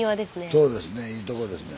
そうですねいいとこですね。